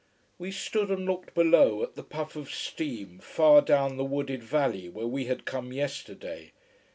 We stood and looked below, at the puff of steam, far down the wooded valley where we had come yesterday.